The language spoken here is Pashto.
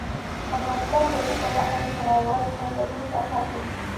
افغانستان د ژبې په برخه کې نړیوالو بنسټونو سره کار کوي.